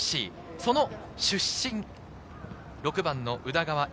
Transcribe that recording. その出身、６番の宇田川瑛